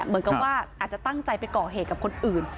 เหมือนกับว่าอาจจะตั้งใจไปก่อเหตุกับคนอื่น